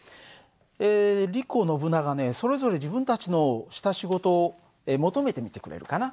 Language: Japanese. えリコノブナガねそれぞれ自分たちのした仕事を求めてみてくれるかな？